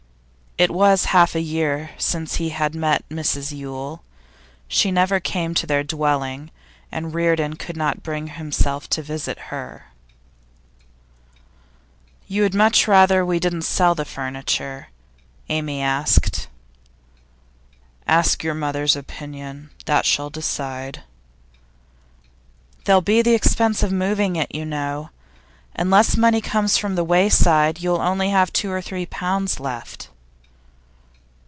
It was half a year since he had met Mrs Yule. She never came to their dwelling, and Reardon could not bring himself to visit her. 'You had very much rather we didn't sell the furniture?' Amy asked. 'Ask your mother's opinion. That shall decide.' 'There'll be the expense of moving it, you know. Unless money comes from The Wayside, you'll only have two or three pounds left.